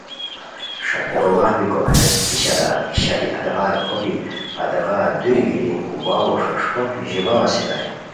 ݰاپیکو وخت بیکو ہیس ای شالار ای شالی ہتیغار پھوہپی، ہتیغار دوری گیتی ہے واؤو ݰوݰپو ژیباؤ استائے